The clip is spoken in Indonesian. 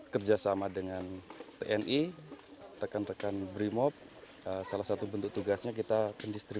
kerjasama dengan tni rekan rekan brimop salah satu bentuk tugasnya kita pendistribusian air bersih